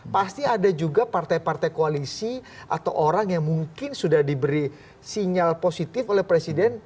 pasti ada juga partai partai koalisi atau orang yang mungkin sudah diberi sinyal positif oleh presiden